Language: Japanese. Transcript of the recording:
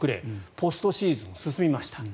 ポストシーズンに進みました。